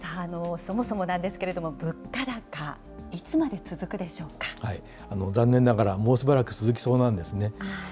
そもそもなんですけれども、物価高、残念ながらもうしばらく続きそうなんですね。